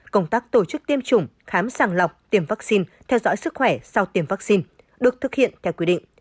công tác tổ chức tiêm chủng khám sàng lọc tiêm vaccine theo dõi sức khỏe sau tiêm vaccine được thực hiện theo quy định